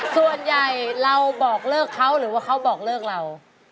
ส่วนใหญ่เราบอกเลิกเขาหรือว่าเขาบอกเลิกเรา